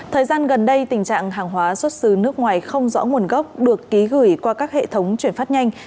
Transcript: thời gian gần đây tình trạng hàng hóa xuất xứ nước ngoài không rõ nguồn gốc được ký gửi qua các hệ thống chuyển phát nhanh